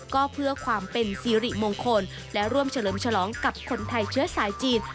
ก็เพื่อความเป็นสิริมงคลและร่วมเฉลิมฉลองกับคนไทยเชื้อสายจีน